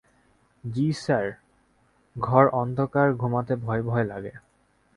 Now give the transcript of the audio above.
জ্বি স্যার ঘর অন্ধকার-ঘূমাতে ভয়ভয় লাগে।